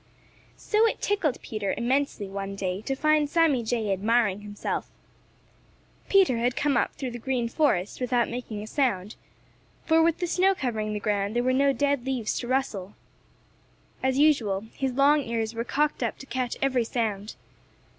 So it tickled Peter immensely one day to find Sammy Jay admiring himself. Peter had come up through the Green Forest without making a sound, for with the snow covering the ground, there were no dead leaves to rustle. As usual, his long ears were cocked up to catch every sound.